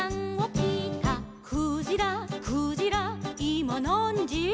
「クジラクジラいまなんじ」